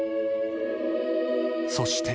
［そして］